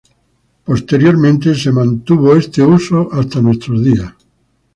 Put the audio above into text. Posteriormente este uso se fue manteniendo hasta nuestros días.